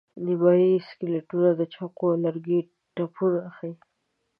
نیمایي سکلیټونه د چاقو او لرګي ټپونه ښيي.